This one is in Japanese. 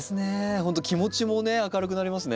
ほんと気持ちもね明るくなりますね。